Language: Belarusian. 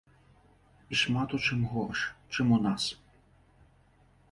І шмат у чым горш, чым у нас.